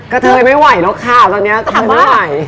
กระเทยไม่ไหวหรอกค่ะตอนนี้ไม่ไหว